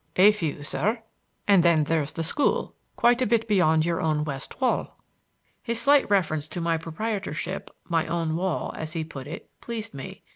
"A few, sir; and then there's the school quite a bit beyond your own west wall." His slight reference to my proprietorship, my own wall, as he put it, pleased me.